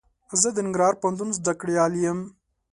زه د ننګرهار پوهنتون زده کړيال يم.